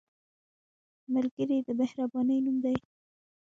ملګری د مهربانۍ نوم دی